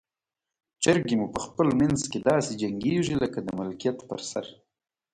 چرګې مو په خپل منځ کې داسې جنګیږي لکه د ملکیت پر سر.